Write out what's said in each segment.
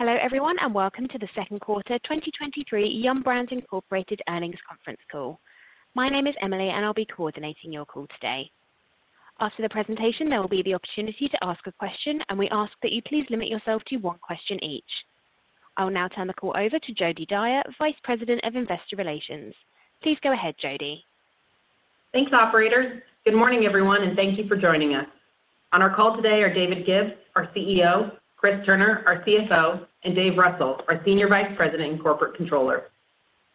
Hello everyone, welcome to the Q2 2023 Yum! Brands, Inc. Earnings Conference Call. My name is Emily, I'll be coordinating your call today. After the presentation, there will be the opportunity to ask a question, we ask that you please limit yourself to one question each. I will now turn the call over to Jodie Dyer, Vice President of Investor Relations. Please go ahead, Jodi. Thanks, operator. Good morning, everyone, thank you for joining us. On our call today are David Gibbs, our CEO, Chris Turner, our CFO, and David Russell, our Senior Vice President and Corporate Controller.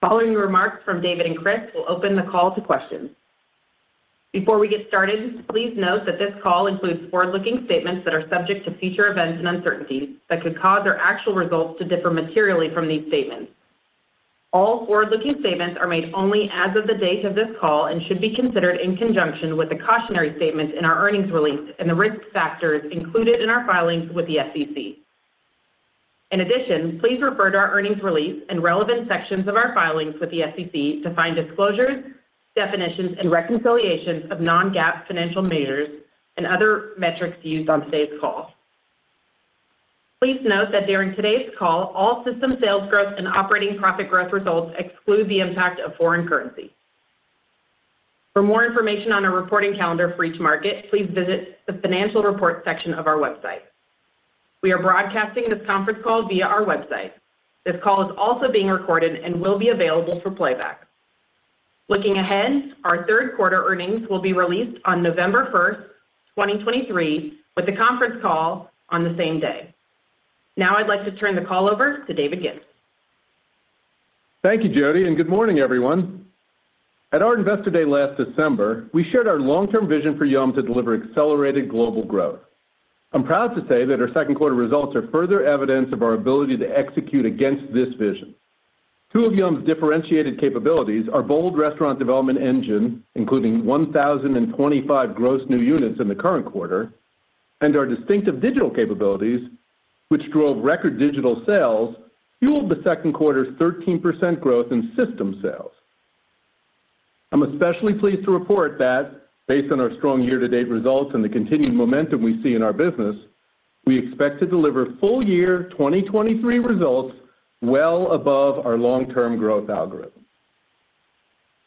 Following the remarks from David and Chris, we'll open the call to questions. Before we get started, please note that this call includes forward-looking statements that are subject to future events and uncertainties that could cause our actual results to differ materially from these statements. All forward-looking statements are made only as of the date of this call and should be considered in conjunction with the cautionary statements in our earnings release and the risk factors included in our filings with the SEC. In addition, please refer to our earnings release and relevant sections of our filings with the SEC to find disclosures, definitions, and reconciliations of Non-GAAP financial measures and other metrics used on today's call. Please note that during today's call, all system sales growth and operating profit growth results exclude the impact of foreign currency. For more information on our reporting calendar for each market, please visit the financial report section of our website. We are broadcasting this conference call via our website. This call is also being recorded and will be available for playback. Looking ahead, our Q3 earnings will be released on November 1, 2023, with the conference call on the same day. Now I'd like to turn the call over to David Gibbs. Thank you, Jodi, good morning, everyone. At our Investor Day last December, we shared our long-term vision for Yum! to deliver accelerated global growth. I'm proud to say that our Q2 results are further evidence of our ability to execute against this vision. Two of Yum!'s differentiated capabilities are bold restaurant development engine, including 1,025 gross new units in the current quarter, our distinctive digital capabilities, which drove record digital sales, fueled the Q2's 13% growth in system sales. I'm especially pleased to report that based on our strong year-to-date results and the continued momentum we see in our business, we expect to deliver full year 2023 results well above our long-term growth algorithm.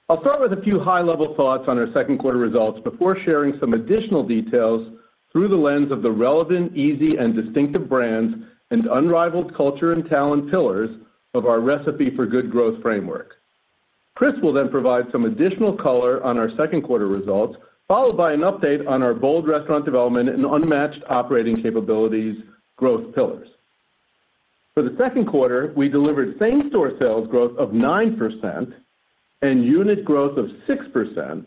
I'll start with a few high-level thoughts on our Q2 results before sharing some additional details through the lens of the relevant, easy, and distinctive brands and unrivaled culture and talent pillars of our Recipe for Good Growth framework. Chris will provide some additional color on our Q2 results, followed by an update on our bold restaurant development and unmatched operating capabilities growth pillars. For the Q2, we delivered same-store sales growth of 9% and unit growth of 6%,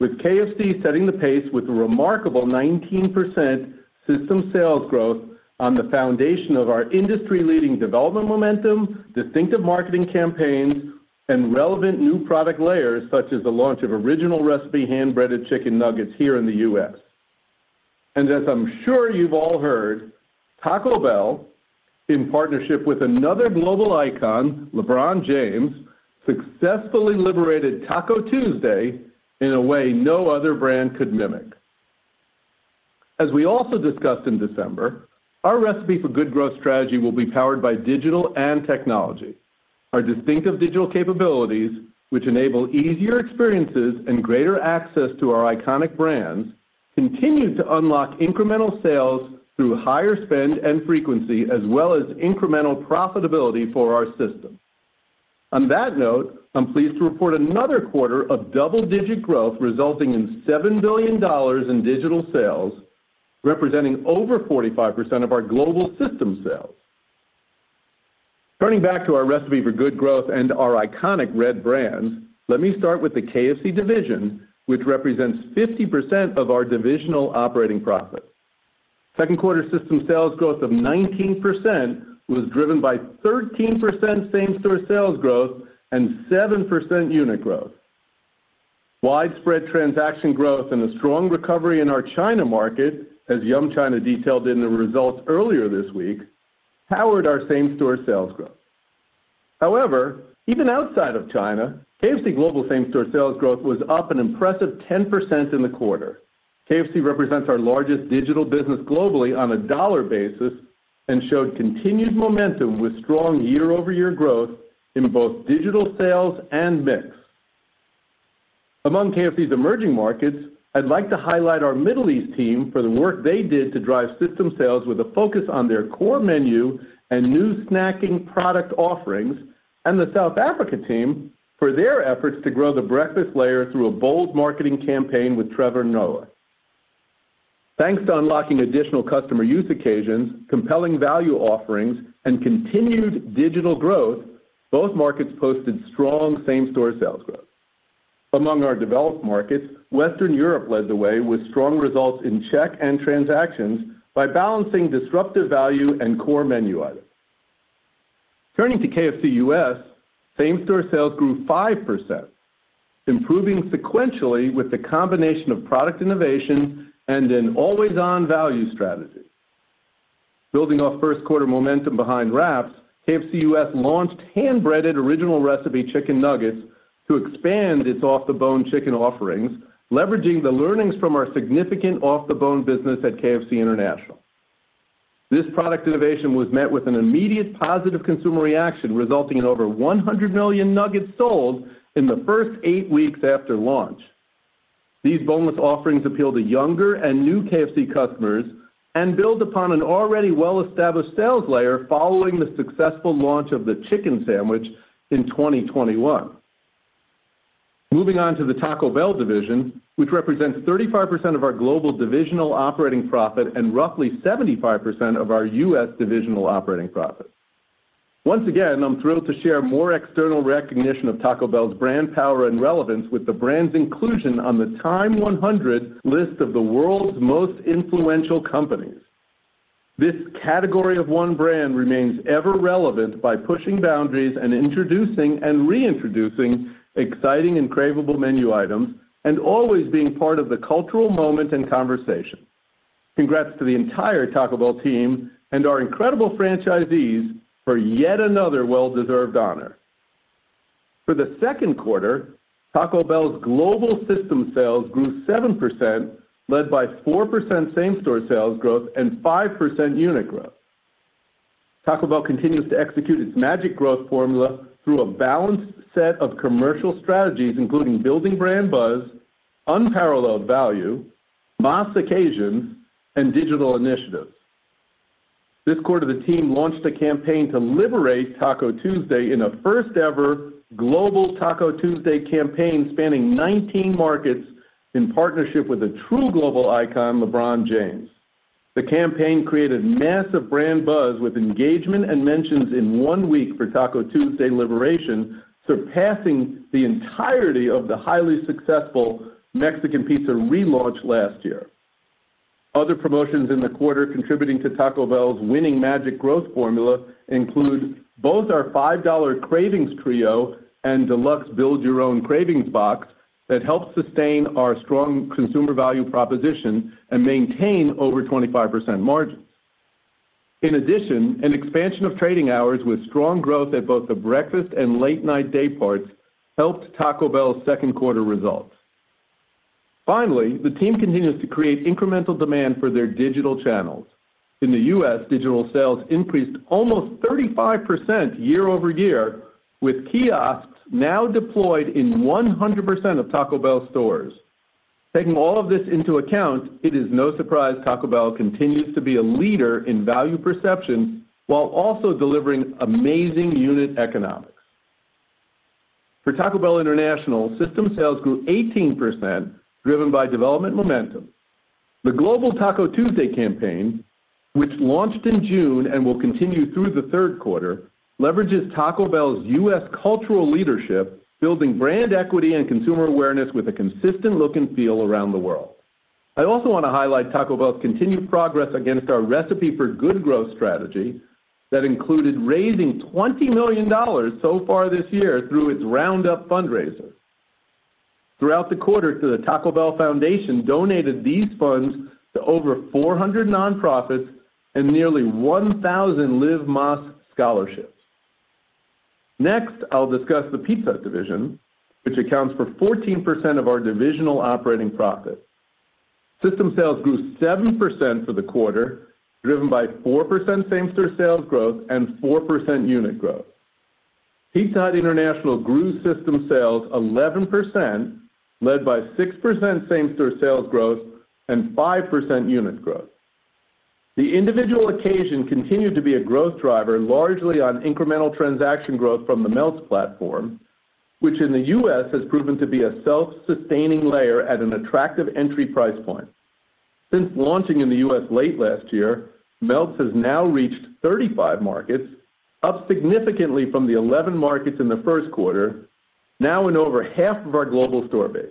with KFC setting the pace with a remarkable 19% system sales growth on the foundation of our industry-leading development momentum, distinctive marketing campaigns, and relevant new product layers, such as the launch of original recipe hand-breaded chicken nuggets here in the U.S. As I'm sure you've all heard, Taco Bell, in partnership with another global icon, LeBron James, successfully liberated Taco Tuesday in a way no other brand could mimic. As we also discussed in December, our Recipe for Good Growth strategy will be powered by digital and technology. Our distinctive digital capabilities, which enable easier experiences and greater access to our iconic brands, continue to unlock incremental sales through higher spend and frequency, as well as incremental profitability for our system. On that note, I'm pleased to report another quarter of double-digit growth, resulting in $7 billion in digital sales, representing over 45% of our global system sales. Turning back to our Recipe for Good Growth and our iconic R.E.D. brands, let me start with the KFC division, which represents 50% of our divisional operating profit. Second quarter system sales growth of 19% was driven by 13% same-store sales growth and 7% unit growth. Widespread transaction growth and a strong recovery in our China market, as Yum China detailed in the results earlier this week, powered our same-store sales growth. However, even outside of China, KFC global same-store sales growth was up an impressive 10% in the quarter. KFC represents our largest digital business globally on a dollar basis and showed continued momentum with strong year-over-year growth in both digital sales and mix. Among KFC's emerging markets, I'd like to highlight our Middle East team for the work they did to drive system sales with a focus on their core menu and new snacking product offerings, and the South Africa team for their efforts to grow the breakfast layer through a bold marketing campaign with Trevor Noah. Thanks to unlocking additional customer use occasions, compelling value offerings, and continued digital growth, both markets posted strong same-store sales growth. Among our developed markets, Western Europe led the way with strong results in check and transactions by balancing disruptive value and core menu items. Turning to KFC U.S., same-store sales grew 5%, improving sequentially with the combination of product innovation and an always-on value strategy. Building off Q1 momentum behind wraps, KFC U.S. launched hand-breaded original recipe chicken nuggets.... to expand its off-the-bone chicken offerings, leveraging the learnings from our significant off-the-bone business at KFC International. This product innovation was met with an immediate positive consumer reaction, resulting in over 100 million nuggets sold in the first eight weeks after launch. These boneless offerings appeal to younger and new KFC customers and build upon an already well-established sales layer following the successful launch of the chicken sandwich in 2021. Moving on to the Taco Bell division, which represents 35% of our global divisional operating profit and roughly 75% of our U.S. divisional operating profit. Once again, I'm thrilled to share more external recognition of Taco Bell's brand power and relevance with the brand's inclusion on the TIME100 list of the world's most influential companies. This category of one brand remains ever relevant by pushing boundaries and introducing and reintroducing exciting and craveable menu items, and always being part of the cultural moment and conversation. Congrats to the entire Taco Bell team and our incredible franchisees for yet another well-deserved honor. For the Q2, Taco Bell's global system sales grew 7%, led by 4% same-store sales growth and 5% unit growth. Taco Bell continues to execute its magic growth formula through a balanced set of commercial strategies, including building brand buzz, unparalleled value, mass occasion, and digital initiatives. This quarter, the team launched a campaign to liberate Taco Tuesday in a first-ever global Taco Tuesday campaign, spanning 19 markets in partnership with a true global icon, LeBron James. The campaign created massive brand buzz, with engagement and mentions in 1 week for Taco Tuesday Liberation, surpassing the entirety of the highly successful Mexican Pizza relaunch last year. Other promotions in the quarter contributing to Taco Bell's winning magic growth formula include both our $5 Cravings Trio and Deluxe Build Your Own Cravings Box that helped sustain our strong consumer value proposition and maintain over 25% margins. An expansion of trading hours with strong growth at both the breakfast and late-night day parts helped Taco Bell's Q2 results. The team continues to create incremental demand for their digital channels. In the U.S., digital sales increased almost 35% year-over-year, with kiosks now deployed in 100% of Taco Bell stores. Taking all of this into account, it is no surprise Taco Bell continues to be a leader in value perception while also delivering amazing unit economics. For Taco Bell International, system sales grew 18%, driven by development momentum. The global Taco Tuesday campaign, which launched in June and will continue through the Q3, leverages Taco Bell's U.S. cultural leadership, building brand equity and consumer awareness with a consistent look and feel around the world. I also want to highlight Taco Bell's continued progress against our Recipe for Good Growth strategy that included raising $20 million so far this year through its Round Up fundraiser. Throughout the quarter, the Taco Bell Foundation donated these funds to over 400 nonprofits and nearly 1,000 Live Más Scholarships. Next, I'll discuss the Pizza division, which accounts for 14% of our divisional operating profit. System sales grew 7% for the quarter, driven by 4% same-store sales growth and 4% unit growth. Pizza Hut International grew system sales 11%, led by 6% same-store sales growth and 5% unit growth. The individual occasion continued to be a growth driver, largely on incremental transaction growth from the Melts platform, which in the U.S. has proven to be a self-sustaining layer at an attractive entry price point. Since launching in the U.S. late last year, Melts has now reached 35 markets, up significantly from the 11 markets in the Q1, now in over half of our global store base.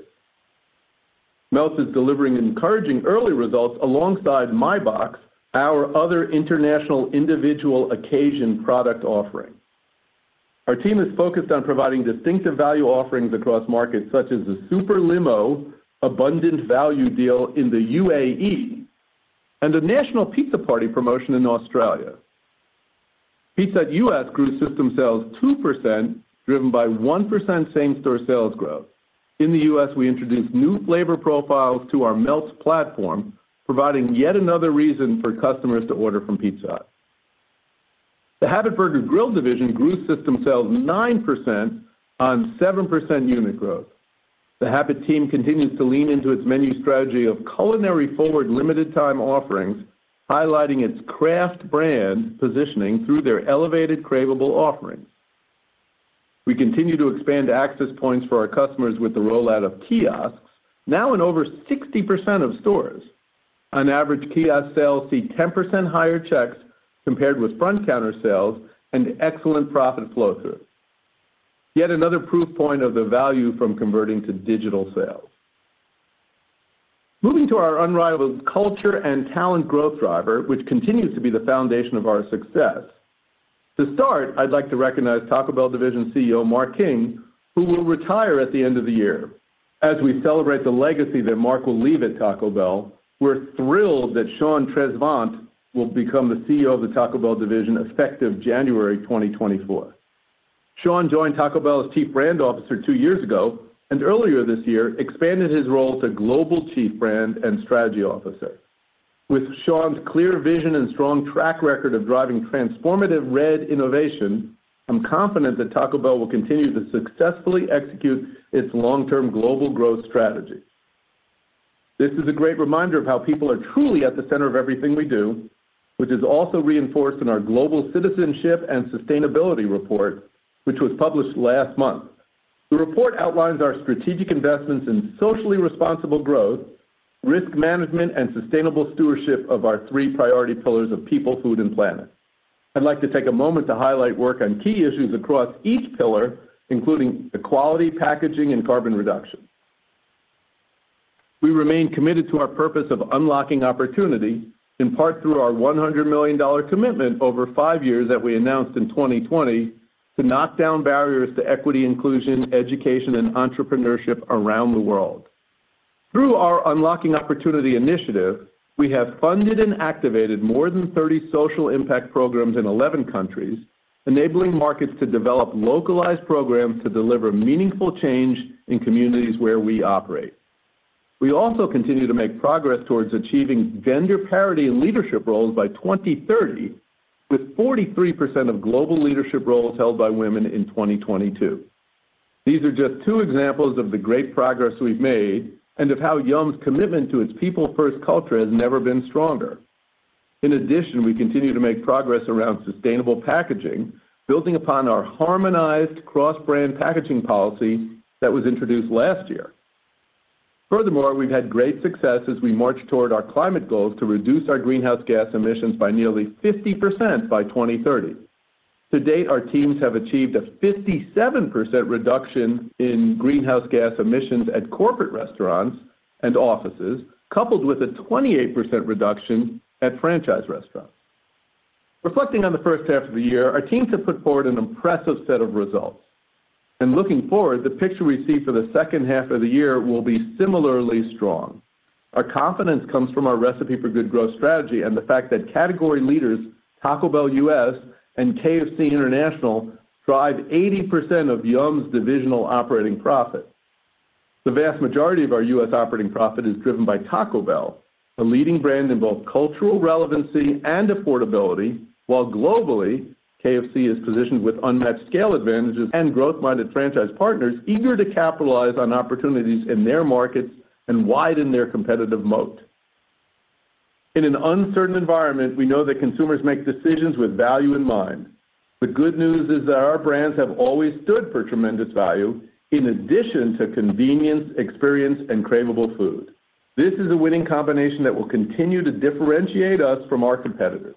Melts is delivering encouraging early results alongside MyBox, our other international individual occasion product offering. Our team is focused on providing distinctive value offerings across markets, such as the Super Limo abundant value deal in the UAE and a national pizza party promotion in Australia. Pizza Hut U.S. grew system sales 2%, driven by 1% same-store sales growth. In the U.S., we introduced new flavor profiles to our Melts platform, providing yet another reason for customers to order from Pizza Hut. The Habit Burger Grill division grew system sales 9% on 7% unit growth. The Habit team continues to lean into its menu strategy of culinary-forward, limited time offerings, highlighting its craft brand positioning through their elevated, craveable offerings. We continue to expand access points for our customers with the rollout of kiosks, now in over 60% of stores. On average, kiosk sales see 10% higher checks compared with front counter sales and excellent profit flow-through. Yet another proof point of the value from converting to digital sales. Moving to our unrivaled culture and talent growth driver, which continues to be the foundation of our success. To start, I'd like to recognize Taco Bell Division CEO, Mark King, who will retire at the end of the year. As we celebrate the legacy that Mark will leave at Taco Bell, we're thrilled that Sean Tresvant will become the CEO of the Taco Bell Division, effective January 2024. Sean joined Taco Bell as Chief Brand Officer two years ago, and earlier this year, expanded his role to Global Chief Brand and Strategy Officer. With Sean's clear vision and strong track record of driving transformative R.E.D. innovation, I'm confident that Taco Bell will continue to successfully execute its long-term global growth strategy. This is a great reminder of how people are truly at the center of everything we do, which is also reinforced in our Global Citizenship and Sustainability Report, which was published last month. The report outlines our strategic investments in socially responsible growth, risk management, and sustainable stewardship of our three priority pillars of people, food, and planet. I'd like to take a moment to highlight work on key issues across each pillar, including equality, packaging, and carbon reduction. We remain committed to our purpose of unlocking opportunity, in part through our $100 million commitment over five years that we announced in 2020, to knock down barriers to equity, inclusion, education, and entrepreneurship around the world. Through our Unlocking Opportunity initiative, we have funded and activated more than 30 social impact programs in 11 countries, enabling markets to develop localized programs to deliver meaningful change in communities where we operate. We also continue to make progress towards achieving gender parity in leadership roles by 2030, with 43% of global leadership roles held by women in 2022. These are just two examples of the great progress we've made and of how Yum's commitment to its people-first culture has never been stronger. In addition, we continue to make progress around sustainable packaging, building upon our harmonized cross-brand packaging policy that was introduced last year. Furthermore, we've had great success as we march toward our climate goals to reduce our greenhouse gas emissions by nearly 50% by 2030. To date, our teams have achieved a 57% reduction in greenhouse gas emissions at corporate restaurants and offices, coupled with a 28% reduction at franchise restaurants. Reflecting on the first half of the year, our teams have put forward an impressive set of results, and looking forward, the picture we see for the H2 of the year will be similarly strong. Our confidence comes from our Recipe for Good Growth strategy and the fact that category leaders, Taco Bell U.S. and KFC International, drive 80% of Yum's divisional operating profit. The vast majority of our U.S. operating profit is driven by Taco Bell, a leading brand in both cultural relevancy and affordability, while globally, KFC is positioned with unmatched scale advantages and growth-minded franchise partners eager to capitalize on opportunities in their markets and widen their competitive moat. In an uncertain environment, we know that consumers make decisions with value in mind. The good news is that our brands have always stood for tremendous value in addition to convenience, experience, and craveable food. This is a winning combination that will continue to differentiate us from our competitors.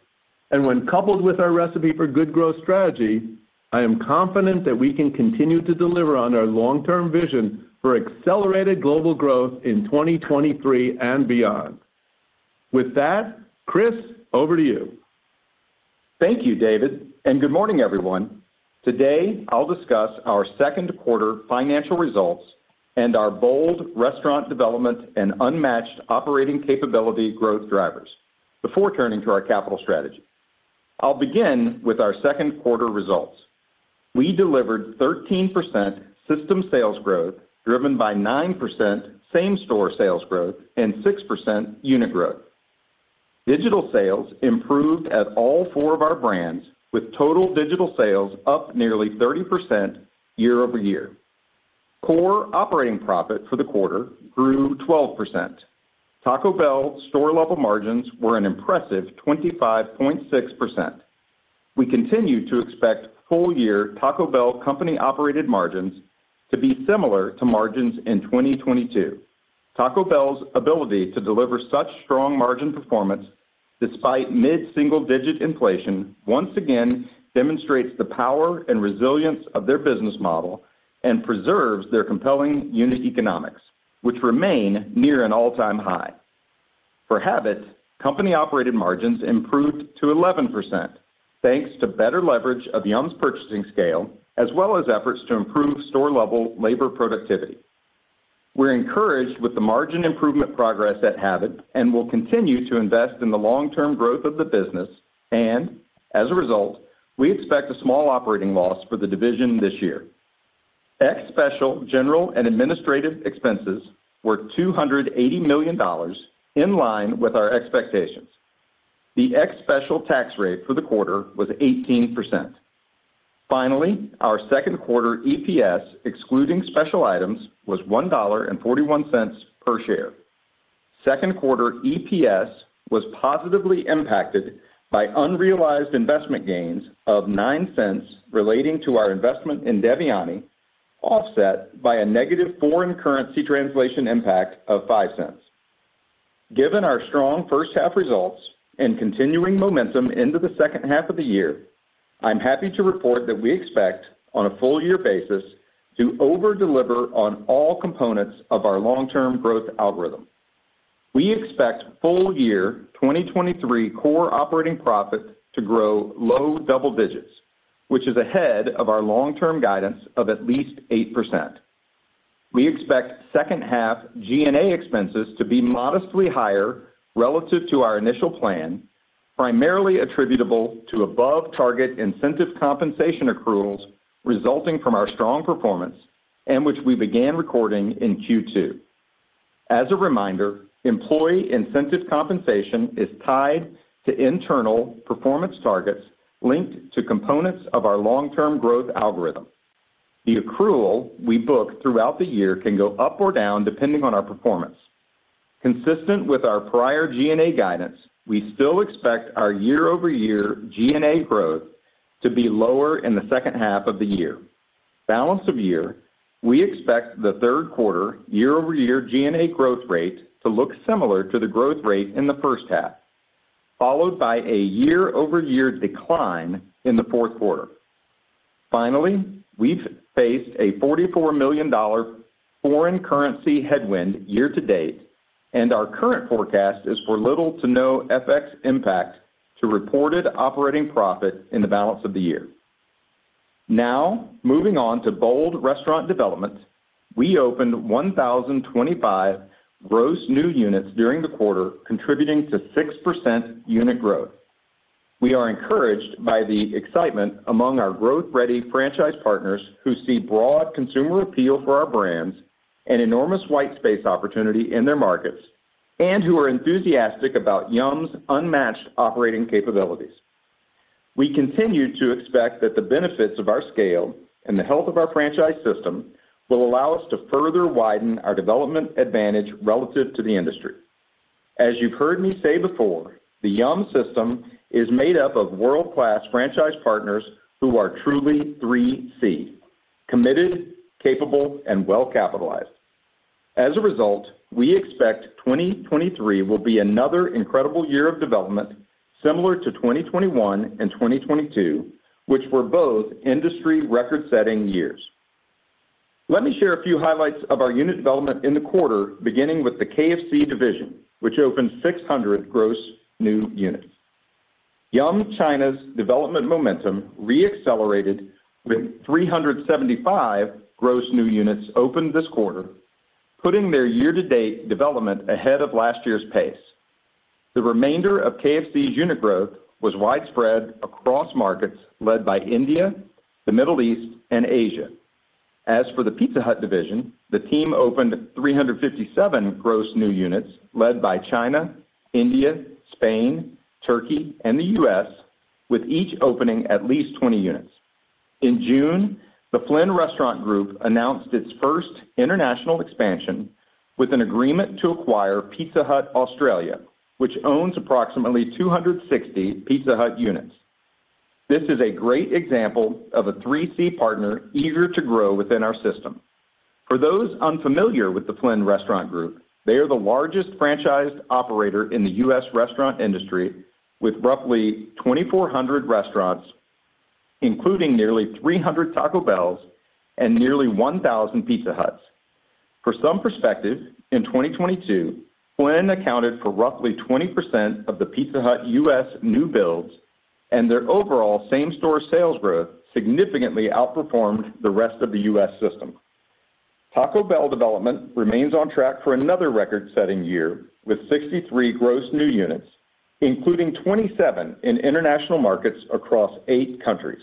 When coupled with our Recipe for Good Growth strategy, I am confident that we can continue to deliver on our long-term vision for accelerated global growth in 2023 and beyond. With that, Chris, over to you. Thank you, David, good morning, everyone. Today, I'll discuss our Q2 financial results and our bold restaurant development and unmatched operating capability growth drivers before turning to our capital strategy. I'll begin with our Q2 results. We delivered 13% system sales growth, driven by 9% same-store sales growth and 6% unit growth. Digital sales improved at all four of our brands, with total digital sales up nearly 30% year-over-year. Core operating profit for the quarter grew 12%. Taco Bell store-level margins were an impressive 25.6%. We continue to expect full-year Taco Bell company-operated margins to be similar to margins in 2022. Taco Bell's ability to deliver such strong margin performance despite mid-single-digit inflation, once again demonstrates the power and resilience of their business model and preserves their compelling unit economics, which remain near an all-time high. For Habit, company-operated margins improved to 11%, thanks to better leverage of Yum's purchasing scale, as well as efforts to improve store-level labor productivity. We're encouraged with the margin improvement progress at Habit and will continue to invest in the long-term growth of the business. As a result, we expect a small operating loss for the division this year. Ex special, general, and administrative expenses were $280 million, in line with our expectations. The ex special tax rate for the quarter was 18%. Finally, our Q2 EPS, excluding special items, was $1.41 per share. Second quarter EPS was positively impacted by unrealized investment gains of $0.09 relating to our investment in Devyani, offset by a negative foreign currency translation impact of $0.05. Given our strong first half results and continuing momentum into the H2 of the year, I'm happy to report that we expect, on a full-year basis, to over-deliver on all components of our long-term growth algorithm. We expect full year 2023 core operating profit to grow low double digits, which is ahead of our long-term guidance of at least 8%. We expect H2 G&A expenses to be modestly higher relative to our initial plan, primarily attributable to above target incentive compensation accruals resulting from our strong performance and which we began recording in Q2. As a reminder, employee incentive compensation is tied to internal performance targets linked to components of our long-term growth algorithm. The accrual we book throughout the year can go up or down, depending on our performance. Consistent with our prior G&A guidance, we still expect our year-over-year G&A growth to be lower in the H2 of the year. Balance of year, we expect the Q3 year-over-year G&A growth rate to look similar to the growth rate in the first half, followed by a year-over-year decline in the fourth quarter. We've faced a $44 million foreign currency headwind year to date, and our current forecast is for little to no FX impact to reported operating profit in the balance of the year. Moving on to bold restaurant development, we opened 1,025 gross new units during the quarter, contributing to 6% unit growth. We are encouraged by the excitement among our growth-ready franchise partners who see broad consumer appeal for our brands and enormous white space opportunity in their markets, and who are enthusiastic about Yum's unmatched operating capabilities. We continue to expect that the benefits of our scale and the health of our franchise system will allow us to further widen our development advantage relative to the industry. As you've heard me say before, the Yum! system is made up of world-class franchise partners who are truly 3C: committed, capable, and well-capitalized. As a result, we expect 2023 will be another incredible year of development, similar to 2021 and 2022, which were both industry record-setting years. Let me share a few highlights of our unit development in the quarter, beginning with the KFC Division, which opened 600 gross new units. Yum China's development momentum re-accelerated with 375 gross new units opened this quarter, putting their year-to-date development ahead of last year's pace. The remainder of KFC's unit growth was widespread across markets led by India, the Middle East, and Asia. As for the Pizza Hut division, the team opened 357 gross new units led by China, India, Spain, Turkey, and the U.S., with each opening at least 20 units. In June, the Flynn Restaurant Group announced its first international expansion with an agreement to acquire Pizza Hut Australia, which owns approximately 260 Pizza Hut units. This is a great example of a 3C partner eager to grow within our system. For those unfamiliar with the Flynn Restaurant Group, they are the largest franchised operator in the U.S. restaurant industry with roughly 2,400 restaurants, including nearly 300 Taco Bells and nearly 1,000 Pizza Huts. For some perspective, in 2022, Flynn accounted for roughly 20% of the Pizza Hut U.S. new builds, and their overall same-store sales growth significantly outperformed the rest of the U.S. system. Taco Bell development remains on track for another record-setting year, with 63 gross new units, including 27 in international markets across 8 countries.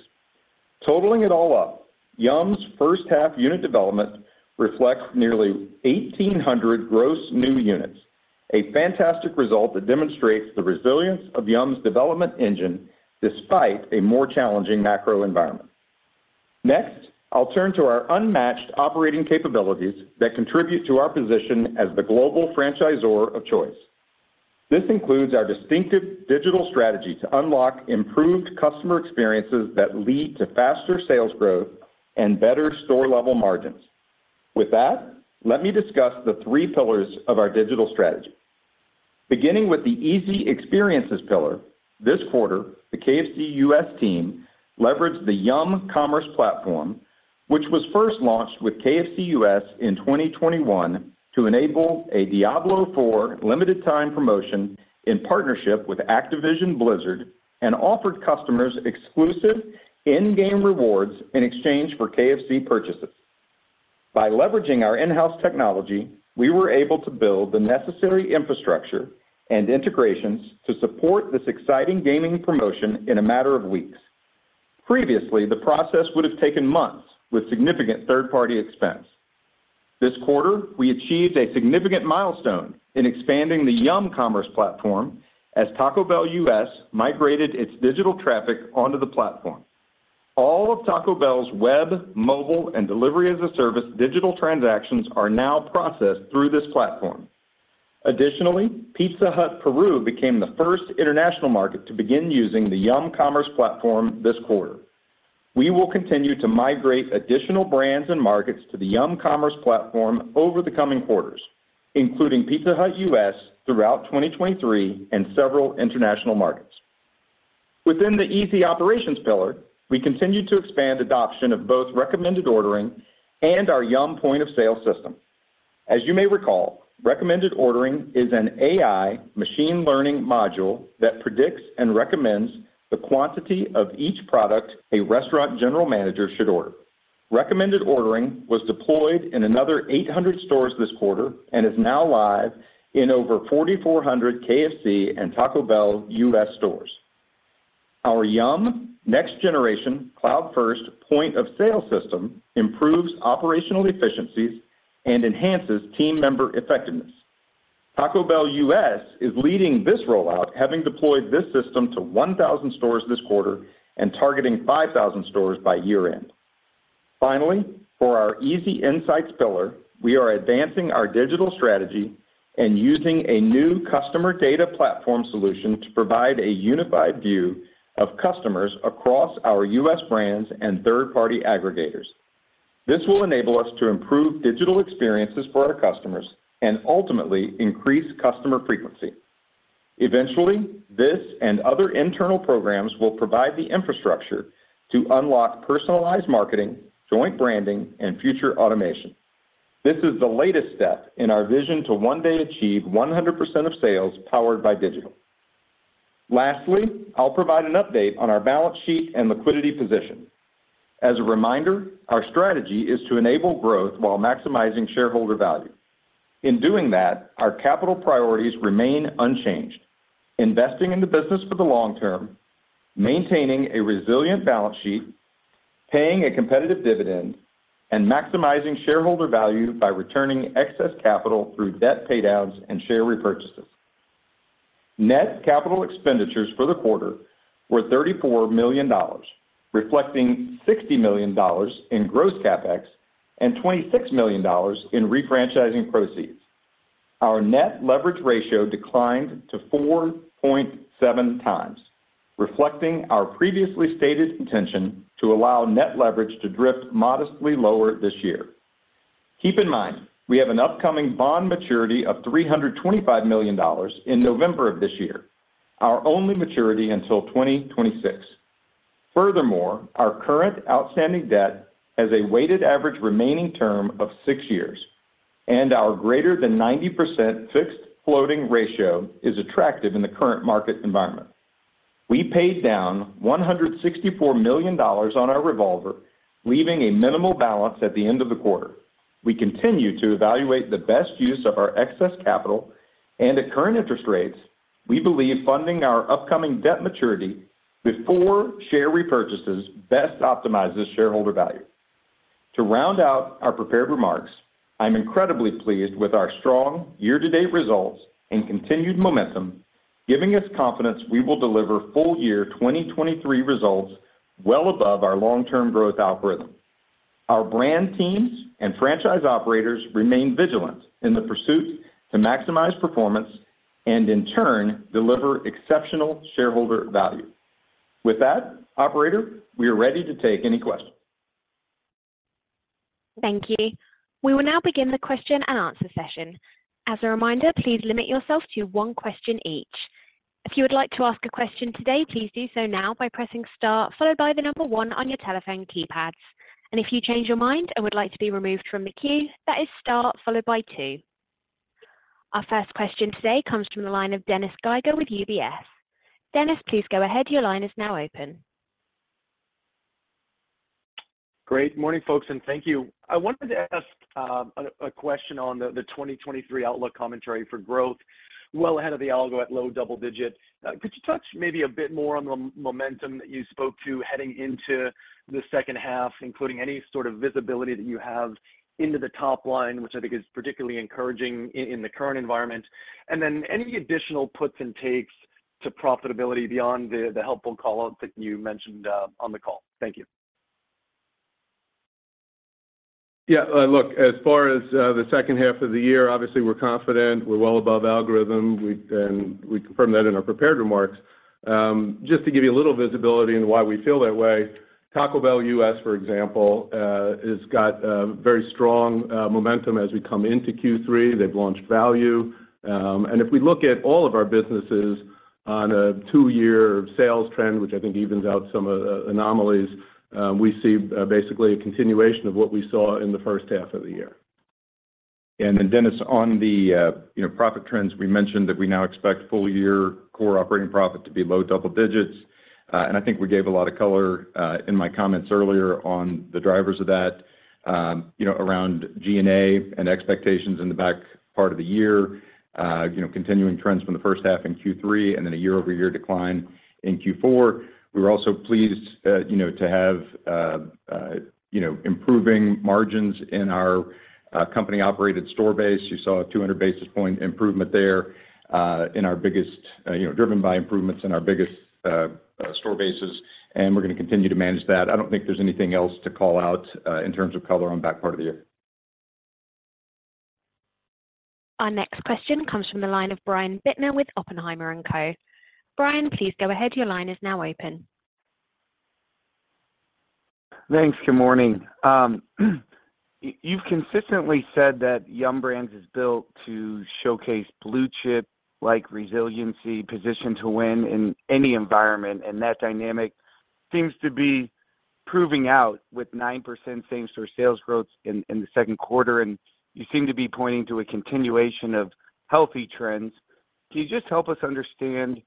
Totaling it all up, Yum's first half unit development reflects nearly 1,800 gross new units, a fantastic result that demonstrates the resilience of Yum's development engine despite a more challenging macro environment. I'll turn to our unmatched operating capabilities that contribute to our position as the global franchisor of choice. This includes our distinctive digital strategy to unlock improved customer experiences that lead to faster sales growth and better store-level margins. With that, let me discuss the 3 pillars of our digital strategy. Beginning with the easy experiences pillar, this quarter, the KFC U.S. team leveraged the Yum! Commerce Platform, which was first launched with KFC U.S. in 2021, to enable a Diablo IV limited time promotion in partnership with Activision Blizzard and offered customers exclusive in-game rewards in exchange for KFC purchases. By leveraging our in-house technology, we were able to build the necessary infrastructure and integrations to support this exciting gaming promotion in a matter of weeks. Previously, the process would have taken months with significant third-party expense. This quarter, we achieved a significant milestone in expanding the Yum! Commerce Platform as Taco Bell U.S. migrated its digital traffic onto the platform. All of Taco Bell's web, mobile, and delivery as a service digital transactions are now processed through this platform. Additionally, Pizza Hut Peru became the first international market to begin using the Yum! Commerce Platform this quarter. We will continue to migrate additional brands and markets to the Yum! Commerce Platform over the coming quarters, including Pizza Hut U.S. throughout 2023 and several international markets. Within the easy operations pillar, we continued to expand adoption of both recommended ordering and our Yum! point-of-sale system. As you may recall, recommended ordering is an AI machine learning module that predicts and recommends the quantity of each product a restaurant general manager should order. Recommended ordering was deployed in another 800 stores this quarter and is now live in over 4,400 KFC and Taco Bell U.S. stores. Our Yum! Next-Generation Cloud First point-of-sale system improves operational efficiencies and enhances team member effectiveness. Taco Bell U.S. is leading this rollout, having deployed this system to 1,000 stores this quarter and targeting 5,000 stores by year-end. Finally, for our easy insights pillar, we are advancing our digital strategy and using a new customer data platform solution to provide a unified view of customers across our U.S. brands and third-party aggregators. This will enable us to improve digital experiences for our customers and ultimately increase customer frequency. Eventually, this and other internal programs will provide the infrastructure to unlock personalized marketing, joint branding, and future automation. This is the latest step in our vision to one day achieve 100% of sales powered by digital. Lastly, I'll provide an update on our balance sheet and liquidity position. As a reminder, our strategy is to enable growth while maximizing shareholder value. In doing that, our capital priorities remain unchanged: investing in the business for the long term, maintaining a resilient balance sheet, paying a competitive dividend, and maximizing shareholder value by returning excess capital through debt paydowns and share repurchases. Net capital expenditures for the quarter were $34 million, reflecting $60 million in gross CapEx and $26 million in refranchising proceeds. Our net leverage ratio declined to 4.7x reflecting our previously stated intention to allow net leverage to drift modestly lower this year. Keep in mind, we have an upcoming bond maturity of $325 million in November of this year, our only maturity until 2026. Our current outstanding debt has a weighted average remaining term of six years, and our greater than 90% fixed floating ratio is attractive in the current market environment. We paid down $164 million on our revolver, leaving a minimal balance at the end of the quarter. We continue to evaluate the best use of our excess capital. At current interest rates, we believe funding our upcoming debt maturity before share repurchases best optimizes shareholder value. To round out our prepared remarks, I'm incredibly pleased with our strong year-to-date results and continued momentum, giving us confidence we will deliver full year 2023 results well above our long-term growth algorithm. Our brand teams and franchise operators remain vigilant in the pursuit to maximize performance and in turn, deliver exceptional shareholder value. With that, operator, we are ready to take any questions. Thank you. We will now begin the question and answer session. As a reminder, please limit yourself to one question each. If you would like to ask a question today, please do so now by pressing star, followed by the number 1 on your telephone keypads. If you change your mind and would like to be removed from the queue, that is star followed by two. Our first question today comes from the line of Dennis Geiger with UBS. Dennis, please go ahead. Your line is now open. Great morning, folks, and thank you. I wanted to ask a question on the 2023 outlook commentary for growth well ahead of the algo at low double digits. Could you touch maybe a bit more on the momentum that you spoke to heading into the H2, including any sort of visibility that you have into the top line, which I think is particularly encouraging in the current environment? Then any additional puts and takes to profitability beyond the helpful call-outs that you mentioned on the call? Thank you. Yeah, look, as far as the 2nd half of the year, obviously, we're confident we're well above algorithm. We confirmed that in our prepared remarks. Just to give you a little visibility into why we feel that way, Taco Bell Corp., for example, has got a very strong momentum as we come into Q3. They've launched Value. If we look at all of our businesses on a two-year sales trend, which I think evens out some of the anomalies, we see basically a continuation of what we saw in the 1st half of the year. Then, Dennis, on the, you know, profit trends, we mentioned that we now expect full year core operating profit to be low double digits. I think we gave a lot of color in my comments earlier on the drivers of that, you know, around G&A and expectations in the back part of the year. You know, continuing trends from the first half in Q3 and then a year-over-year decline in Q4. We were also pleased, you know, to have, you know, improving margins in our company-operated store base. You saw a 200 basis point improvement there in our biggest store bases, and we're going to continue to manage that. I don't think there's anything else to call out in terms of color on the back part of the year. Our next question comes from the line of Brian Bittner with Oppenheimer & Co. Brian, please go ahead. Your line is now open.... Thanks. Good morning. You've consistently said that Yum! Brands is built to showcase blue-chip, like, resiliency, position to win in any environment, and that dynamic seems to be proving out with 9% same-store sales growth in the Q2, and you seem to be pointing to a continuation of healthy trends. Can you just help us understand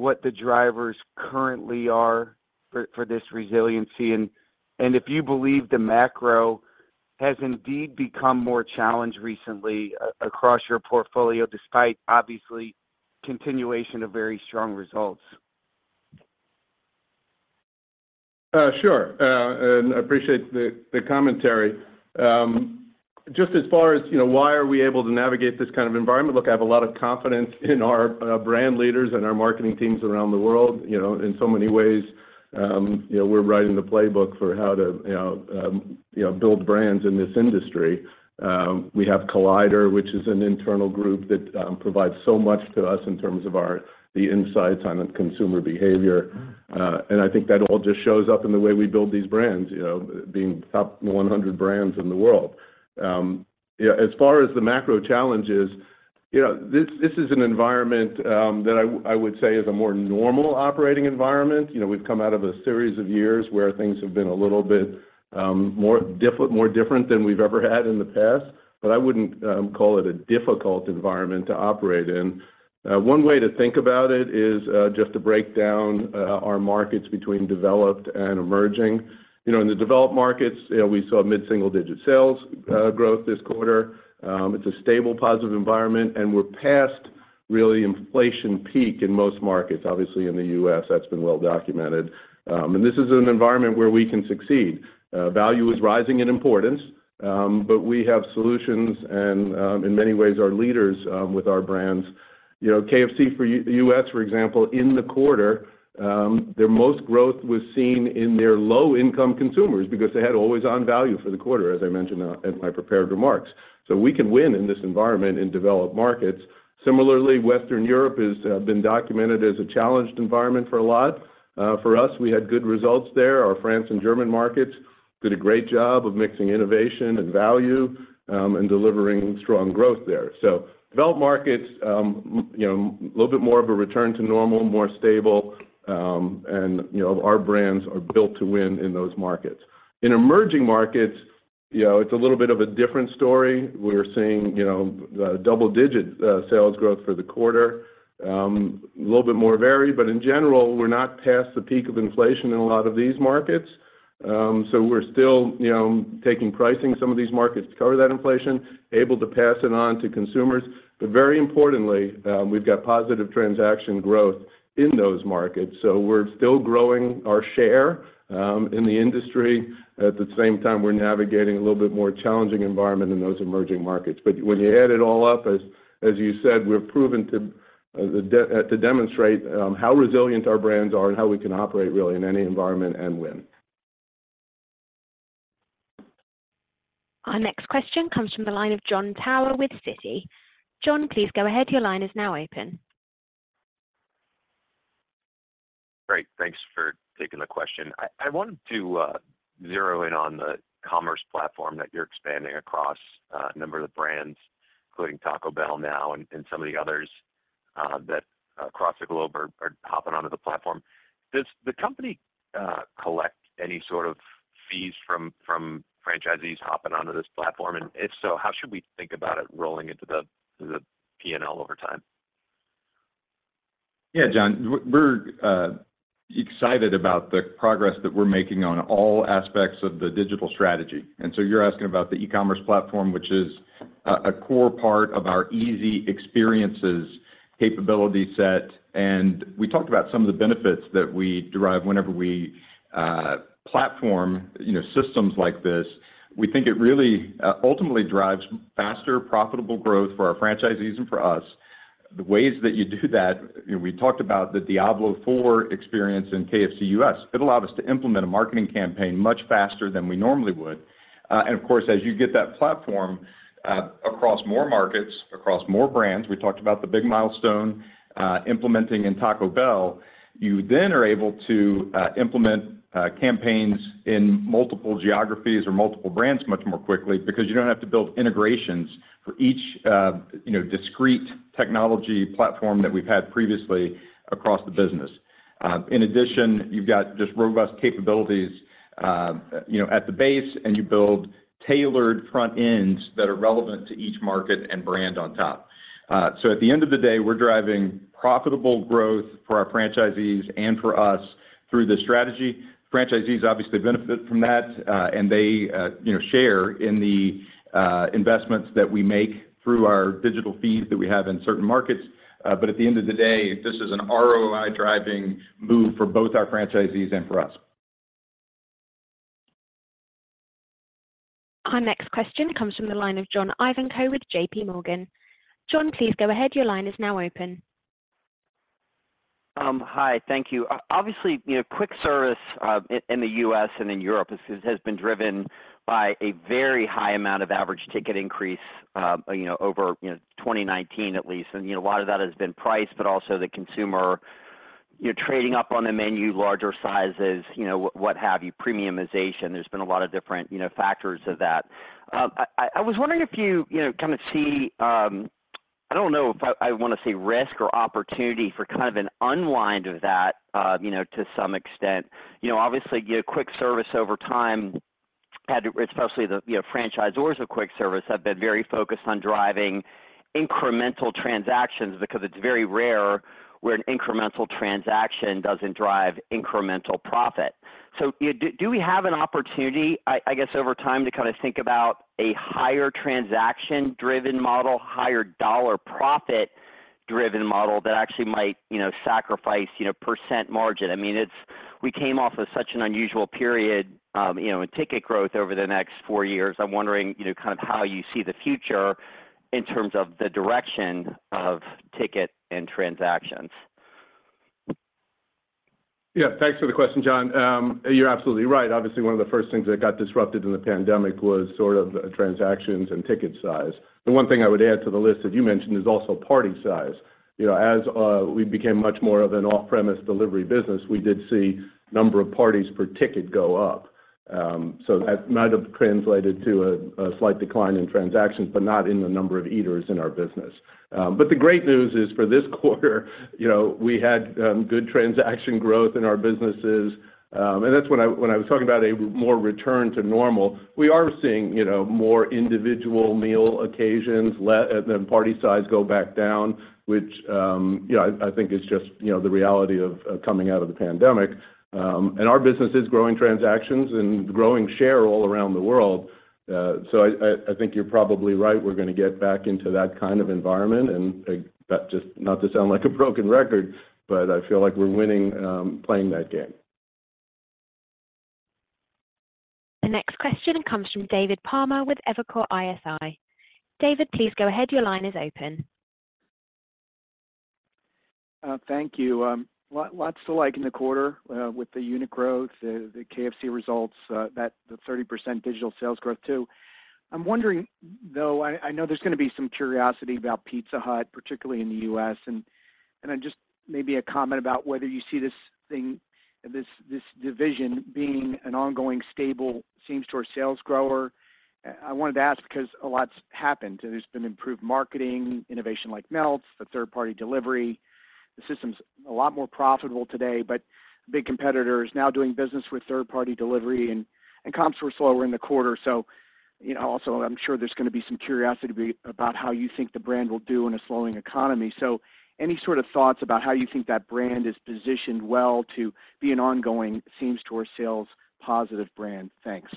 what the drivers currently are for this resiliency, and if you believe the macro has indeed become more challenged recently across your portfolio, despite obviously continuation of very strong results? Sure, and I appreciate the, the commentary. Just as far as, you know, why are we able to navigate this kind of environment? Look, I have a lot of confidence in our brand leaders and our marketing teams around the world. You know, in so many ways, you know, we're writing the playbook for how to, you know, you know, build brands in this industry. We have Collider, which is an internal group that provides so much to us in terms of the insights on consumer behavior. And I think that all just shows up in the way we build these brands, you know, being top 100 brands in the world. Yeah, as far as the macro challenges, you know, this, this is an environment that I would say is a more normal operating environment. You know, we've come out of a series of years where things have been a little bit more different than we've ever had in the past, but I wouldn't call it a difficult environment to operate in. One way to think about it is just to break down our markets between developed and emerging. You know, in the developed markets, you know, we saw mid-single-digit sales growth this quarter. It's a stable, positive environment, and we're past really inflation peak in most markets. Obviously, in the U.S., that's been well documented, and this is an environment where we can succeed. Value is rising in importance, but we have solutions and in many ways, our leaders with our brands. You know, KFC U.S., for example, in the quarter, their most growth was seen in their low-income consumers because they had Always On value for the quarter, as I mentioned, in my prepared remarks. We can win in this environment in developed markets. Similarly, Western Europe has been documented as a challenged environment for a lot. For us, we had good results there. Our France and German markets did a great job of mixing innovation and value, and delivering strong growth there. Developed markets, you know, a little bit more of a return to normal, more stable, and, you know, our brands are built to win in those markets. In emerging markets, you know, it's a little bit of a different story. We're seeing, you know, double-digit sales growth for the quarter. A little bit more varied, but in general, we're not past the peak of inflation in a lot of these markets. We're still, you know, taking pricing in some of these markets to cover that inflation, able to pass it on to consumers. Very importantly, we've got positive transaction growth in those markets, so we're still growing our share in the industry. At the same time, we're navigating a little bit more challenging environment in those emerging markets. When you add it all up, as, as you said, we've proven to demonstrate how resilient our brands are and how we can operate really in any environment and win. Our next question comes from the line of Jon Tower with Citi. John, please go ahead. Your line is now open. Great. Thanks for taking the question. I wanted to zero in on the commerce platform that you're expanding across a number of the brands, including Taco Bell now and some of the others that across the globe are hopping onto the platform. Does the company collect any sort of fees from franchisees hopping onto this platform? If so, how should we think about it rolling into the PNL over time? Yeah, John, we're excited about the progress that we're making on all aspects of the digital strategy. You're asking about the Yum! Commerce Platform, which is a core part of our easy experiences capability set. We talked about some of the benefits that we derive whenever we platform, you know, systems like this. We think it really ultimately drives faster, profitable growth for our franchisees and for us. The ways that you do that, you know, we talked about the Diablo IV experience in KFC U.S.. It allowed us to implement a marketing campaign much faster than we normally would. Of course, as you get that platform, across more markets, across more brands, we talked about the big milestone, implementing in Taco Bell, you then are able to implement campaigns in multiple geographies or multiple brands much more quickly because you don't have to build integrations for each, you know, discrete technology platform that we've had previously across the business. In addition, you've got just robust capabilities, you know, at the base, and you build tailored front ends that are relevant to each market and brand on top. At the end of the day, we're driving profitable growth for our franchisees and for us through this strategy. Franchisees obviously benefit from that, and they, you know, share in the investments that we make through our digital fees that we have in certain markets. At the end of the day, this is an ROI-driving move for both our franchisees and for us. Our next question comes from the line of John Ivankoe with JP Morgan. John, please go ahead. Your line is now open. Hi, thank you. obviously, you know, quick service, in the U.S. and in Europe has, has been driven by a very high amount of average ticket increase, you know, over, you know, 2019 at least. You know, a lot of that has been price, but also the consumer. You're trading up on the menu, larger sizes, you know, what, what have you, premiumization. There's been a lot of different, you know, factors of that. I, I was wondering if you, you know, kinda see, I don't know if I, I wanna say risk or opportunity for kind of an unwind of that, you know, to some extent. You know, obviously, quick service over time had to, especially the, you know, franchisors of quick service, have been very focused on driving incremental transactions because it's very rare where an incremental transaction doesn't drive incremental profit. Do, do we have an opportunity, I, I guess, over time, to kinda think about a higher transaction-driven model, higher dollar profit-driven model that actually might, you know, sacrifice, you know, % margin? I mean, it's we came off of such an unusual period, you know, in ticket growth over the next four years. I'm wondering, you know, kind of how you see the future in terms of the direction of ticket and transactions. Yeah, thanks for the question, John. You're absolutely right. Obviously, one of the first things that got disrupted in the pandemic was sort of transactions and ticket size. The one thing I would add to the list that you mentioned is also party size. You know, as we became much more of an off-premise delivery business, we did see number of parties per ticket go up. That might have translated to a slight decline in transactions, but not in the number of eaters in our business. The great news is, for this quarter, you know, we had good transaction growth in our businesses. That's when I was talking about a more return to normal. We are seeing, you know, more individual meal occasions, then party size go back down, which, you know, I, I think is just, you know, the reality of, of coming out of the pandemic. Our business is growing transactions and growing share all around the world. I, I, I think you're probably right, we're gonna get back into that kind of environment. Just not to sound like a broken record, but I feel like we're winning, playing that game. The next question comes from David Palmer with Evercore ISI. David, please go ahead. Your line is open. Thank you. Lots to like in the quarter with the unit growth, the KFC results, that... The 30% digital sales growth, too. I'm wondering, though, I know there's gonna be some curiosity about Pizza Hut, particularly in the U.S., and then just maybe a comment about whether you see this thing, this division being an ongoing, stable same-store sales grower. I wanted to ask because a lot's happened. There's been improved marketing, innovation like Melts, the third-party delivery. The system's a lot more profitable today, but a big competitor is now doing business with third-party delivery, and comps were slower in the quarter. You know, also, I'm sure there's gonna be some curiosity about how you think the brand will do in a slowing economy. Any sort of thoughts about how you think that brand is positioned well to be an ongoing same-store sales positive brand? Thanks.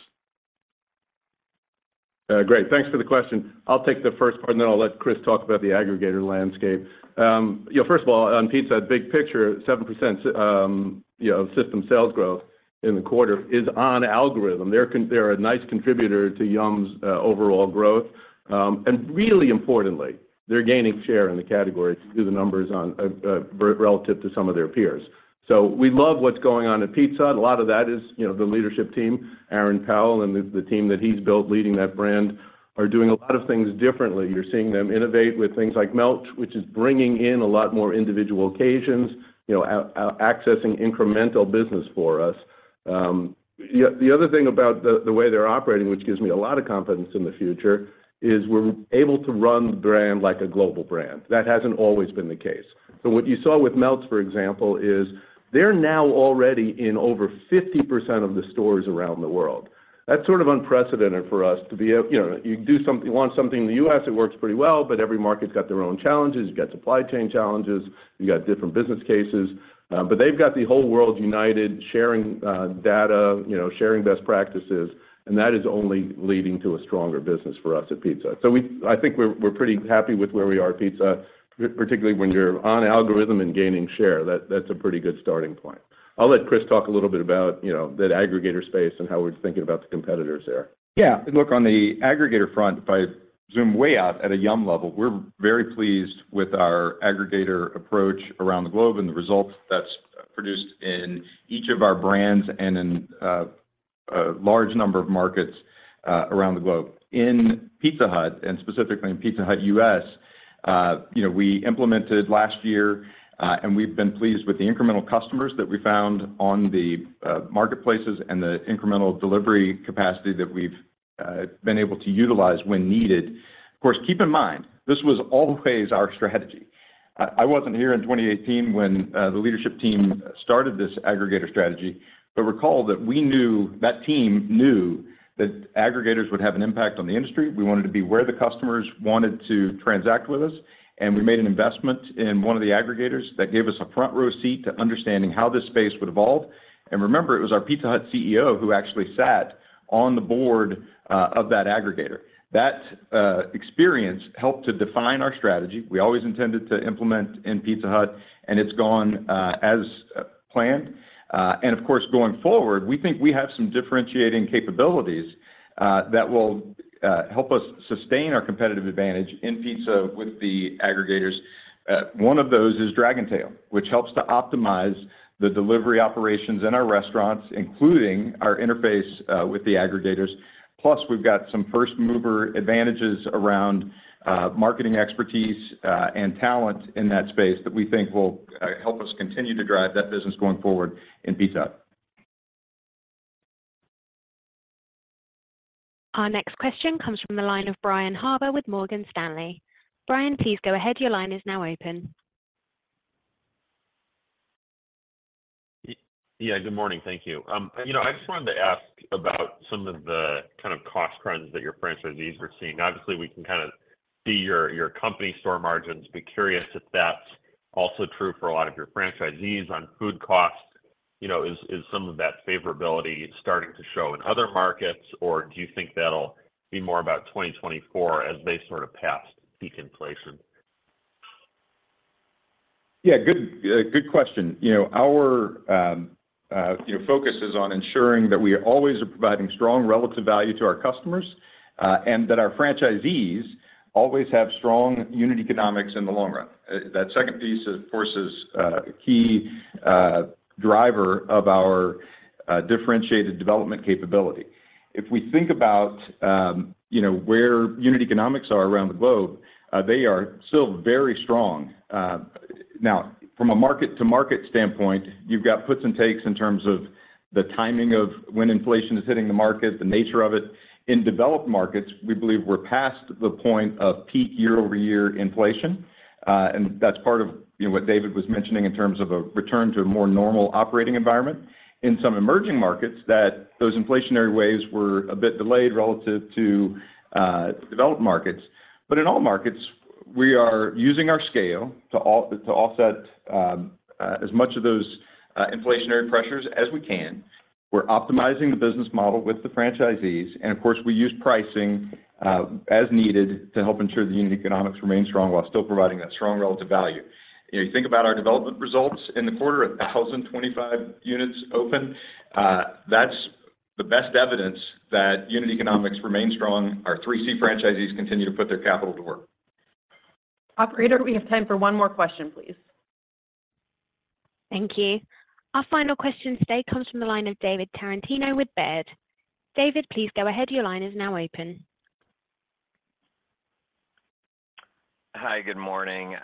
Great, thanks for the question. I'll take the first part, and then I'll let Chris talk about the aggregator landscape. You know, first of all, on Pizza Hut, big picture, 7%, you know, system sales growth in the quarter is on algorithm. They're a nice contributor to Yum!'s overall growth. Really importantly, they're gaining share in the category if you do the numbers on relative to some of their peers. We love what's going on at Pizza Hut. A lot of that is, you know, the leadership team. Aaron Powell and the team that he's built leading that brand are doing a lot of things differently. You're seeing them innovate with things like Melts, which is bringing in a lot more individual occasions, you know, accessing incremental business for us. Yeah, the other thing about the, the way they're operating, which gives me a lot of confidence in the future, is we're able to run the brand like a global brand. That hasn't always been the case. What you saw with Melts, for example, is they're now already in over 50% of the stores around the world. That's sort of unprecedented for us to be able. You know, you do something, you want something in the U.S., it works pretty well, but every market's got their own challenges. You've got supply chain challenges, you've got different business cases. They've got the whole world united, sharing data, you know, sharing best practices, and that is only leading to a stronger business for us at Pizza Hut. I think we're pretty happy with where we are at Pizza Hut, particularly when you're on algorithm and gaining share. That's a pretty good starting point. I'll let Chris talk a little bit about, you know, that aggregator space and how we're thinking about the competitors there. Yeah, look, on the aggregator front, if I zoom way out at a Yum level, we're very pleased with our aggregator approach around the globe and the results that's produced in each of our brands and in, a large number of markets, around the globe. In Pizza Hut, and specifically in Pizza Hut U.S., you know, we implemented last year, and we've been pleased with the incremental customers that we found on the marketplaces and the incremental delivery capacity that we've been able to utilize when needed. Of course, keep in mind, this was always our strategy. I wasn't here in 2018 when the leadership team started this aggregator strategy, but recall that we knew, that team knew that aggregators would have an impact on the industry. We wanted to be where the customers wanted to transact with us, and we made an investment in one of the aggregators that gave us a front row seat to understanding how this space would evolve. Remember, it was our Pizza Hut CEO who actually sat on the board of that aggregator. That experience helped to define our strategy. We always intended to implement in Pizza Hut, and it's gone as planned. Of course, going forward, we think we have some differentiating capabilities that will help us sustain our competitive advantage in Pizza Hut with the aggregators. One of those is Dragontail, which helps to optimize-... The delivery operations in our restaurants, including our interface, with the aggregators, plus we've got some first mover advantages around marketing expertise, and talent in that space that we think will help us continue to drive that business going forward in Pizza Hut. Our next question comes from the line of Brian Harbour with Morgan Stanley. Brian, please go ahead. Your line is now open. Yeah, good morning. Thank you. You know, I just wanted to ask about some of the kind of cost trends that your franchisees were seeing. Obviously, we can kind of see your, your company store margins. Be curious if that's also true for a lot of your franchisees on food costs. You know, is some of that favorability starting to show in other markets, or do you think that'll be more about 2024 as they sort of pass peak inflation? Yeah, good question. You know, our, you know, focus is on ensuring that we are always providing strong relative value to our customers, and that our franchisees always have strong unit economics in the long run. That second piece, of course, is a key driver of our differentiated development capability. If we think about, you know, where unit economics are around the globe, they are still very strong. Now, from a market-to-market standpoint, you've got puts and takes in terms of the timing of when inflation is hitting the market, the nature of it. In developed markets, we believe we're past the point of peak year-over-year inflation, and that's part of, you know, what David was mentioning in terms of a return to a more normal operating environment. In some emerging markets, that those inflationary waves were a bit delayed relative to developed markets. In all markets, we are using our scale to offset as much of those inflationary pressures as we can. We're optimizing the business model with the franchisees, and of course, we use pricing as needed to help ensure the unit economics remain strong while still providing that strong relative value. If you think about our development results in the quarter, 1,025 units opened. That's the best evidence that unit economics remain strong. Our 3C franchisees continue to put their capital to work. Operator, we have time for one more question, please. Thank you. Our final question today comes from the line of David Tarantino with Baird. David, please go ahead. Your line is now open. Hi, good morning.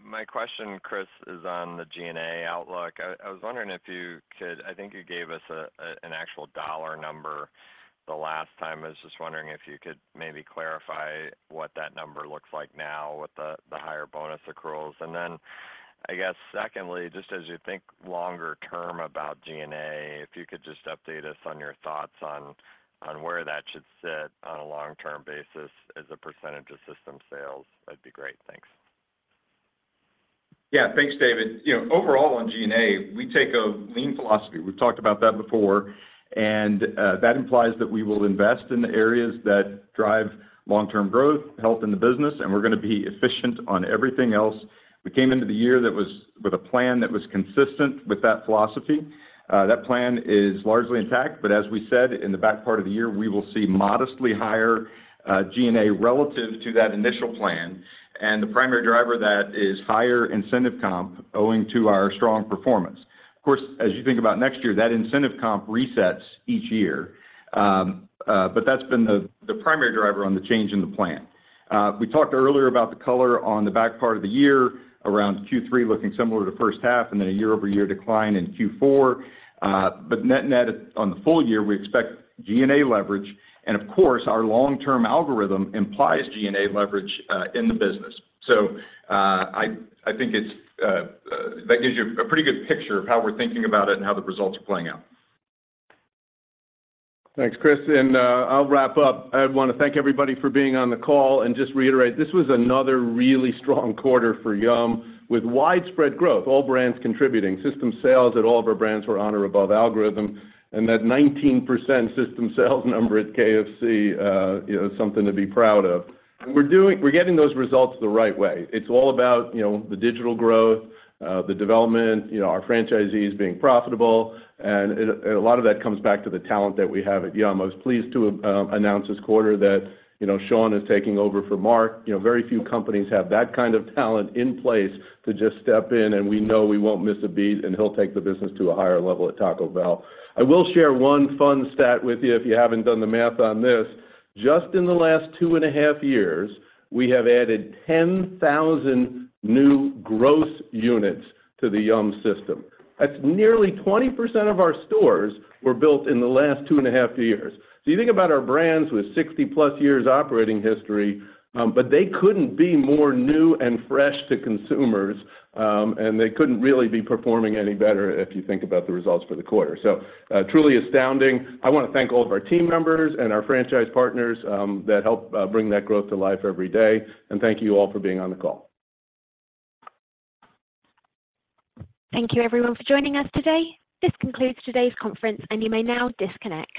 My question, Chris, is on the G&A outlook. I was wondering if you could. I think you gave us an actual dollar number the last time. I was just wondering if you could maybe clarify what that number looks like now with the, the higher bonus accruals. Then, I guess secondly, just as you think longer term about G&A, if you could just update us on your thoughts on, on where that should sit on a long-term basis as a percentage of system sales, that'd be great. Thanks. Yeah, thanks, David. You know, overall on G&A, we take a lean philosophy. We've talked about that before, and that implies that we will invest in the areas that drive long-term growth, health in the business, and we're gonna be efficient on everything else. We came into the year that was with a plan that was consistent with that philosophy. That plan is largely intact, but as we said, in the back part of the year, we will see modestly higher G&A relative to that initial plan, and the primary driver of that is higher incentive comp owing to our strong performance. Of course, as you think about next year, that incentive comp resets each year. But that's been the, the primary driver on the change in the plan. We talked earlier about the color on the back part of the year, around Q3 looking similar to first half, and then a year-over-year decline in Q4. Net-net, on the full year, we expect G&A leverage, and of course, our long-term algorithm implies G&A leverage in the business. I think it's that gives you a pretty good picture of how we're thinking about it and how the results are playing out. Thanks, Chris. I'll wrap up. I want to thank everybody for being on the call and just reiterate, this was another really strong quarter for Yum, with widespread growth, all brands contributing. System sales at all of our brands were on or above algorithm, that 19% system sales number at KFC, you know, something to be proud of. We're getting those results the right way. It's all about, you know, the digital growth, the development, you know, our franchisees being profitable, and a lot of that comes back to the talent that we have at Yum. I was pleased to announce this quarter that, you know, Sean is taking over for Mark. You know, very few companies have that kind of talent in place to just step in, and we know we won't miss a beat, and he'll take the business to a higher level at Taco Bell. I will share one fun stat with you if you haven't done the math on this. Just in the last two and a half years, we have added 10,000 new gross units to the Yum system. That's nearly 20% of our stores were built in the last two and a half years. You think about our brands with 60+ years operating history, but they couldn't be more new and fresh to consumers, and they couldn't really be performing any better if you think about the results for the quarter. Truly astounding. I want to thank all of our team members and our franchise partners, that help bring that growth to life every day. Thank you all for being on the call. Thank you, everyone, for joining us today. This concludes today's conference, and you may now disconnect.